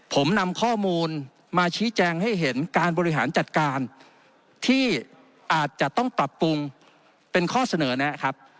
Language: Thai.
ผมนำข้อมูลมาชี้แจงให้เห็นการบริหารจัดการที่อาจจะต้องปรับปรุงเป็นข้อเสนอแนะครับ